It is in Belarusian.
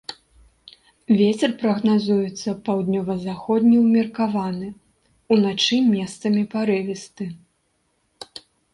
Вецер прагназуецца паўднёва-заходні ўмеркаваны, уначы месцамі парывісты.